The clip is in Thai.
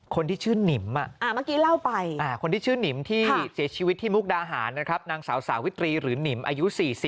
คนที่ชื่อนิมอ่ะคนที่ชื่อนิมที่เสียชีวิตที่มุกดาหารนะครับนางสาววิตรีหรือนิมอายุ๔๐